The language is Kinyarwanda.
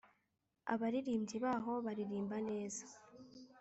abaririmbyi baho baririmba neza